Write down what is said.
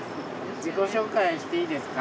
自己紹介していいですか？